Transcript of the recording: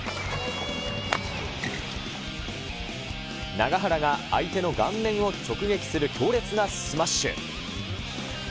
永原が相手の顔面を直撃する強烈なスマッシュ。